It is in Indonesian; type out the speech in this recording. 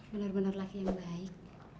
benar benar laki yang baik